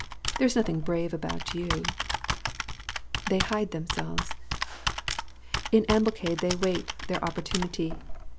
There is nothing brave about you. ''"They hide themselves.^'* In ambuscade they wait their opportunity.